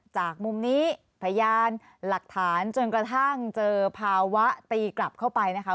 จากมุมนี้พยานหลักฐานจนกระทั่งเจอภาวะตีกลับเข้าไปนะคะ